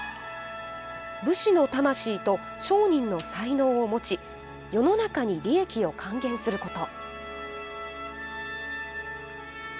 武士の魂と商人の才能を持ち世の中に利益を還元すること。